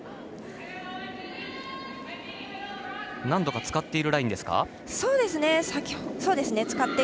何度か使っているラインですか。